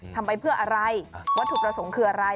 ทำไปเพื่ออะไรวัตถุประสงค์คืออะไร